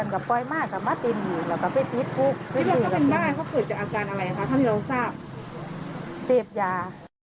ก็ไม่รู้สึกว่าเสียบยา